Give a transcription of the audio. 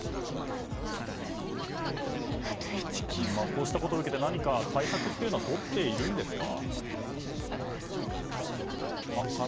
こうしたことを受けて何か対策はとっているんですか？